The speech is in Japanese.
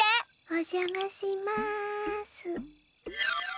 おじゃまします。